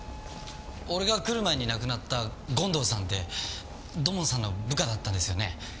俺が来る前に亡くなった権藤さんって土門さんの部下だったんですよね？